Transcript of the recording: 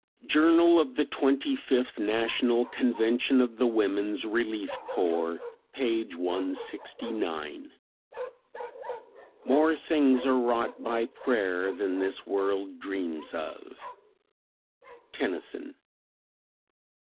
Journal of the Twenty fifth National Convention of the Woman's Relief Corps, page 169. "More things are wrought by prayer Than this world dreams of." Tennyson.